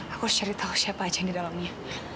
aku harus cari tahu siapa aja yang di dalamnya